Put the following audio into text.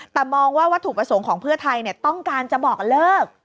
แต่มองว่าวัตถุประสงค์ของเพื่อไทยต้องการจะบอกเลิก